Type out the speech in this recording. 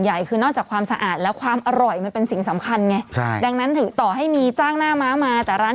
อย่างโดนัสอย่างนี้อุ๊ยเมื่อก่อนฉันนอนไม่หลับ